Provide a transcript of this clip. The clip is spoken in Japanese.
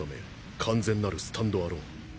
完全なるスタンドアローン。